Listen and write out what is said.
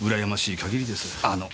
あの。